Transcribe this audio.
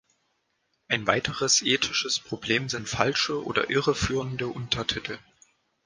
Ein weiteres ethisches Problem sind falsche oder irreführende Untertitel.